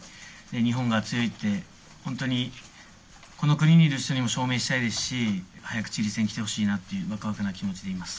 日本が強いって、本当にこの国にいる人にも証明したいですし早くチリ戦、来てほしいなというワクワクな気持ちでいます。